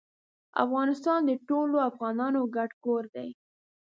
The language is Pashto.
افغانستان د ټولو افغانانو ګډ کور دی